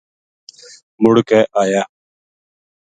مڑ کے آیا